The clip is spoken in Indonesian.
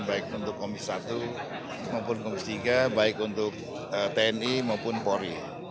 baik untuk komis satu maupun komisi tiga baik untuk tni maupun polri